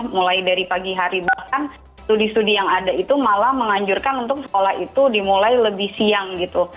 mulai dari pagi hari bahkan studi studi yang ada itu malah menganjurkan untuk sekolah itu dimulai lebih siang gitu